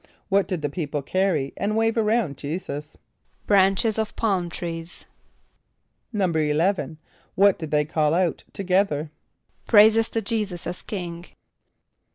= What did the people carry and wave around J[=e]´[s+]us? =Branches of palm trees.= =11.= What did they call out together? =Praises to J[=e]´[s+]us as king.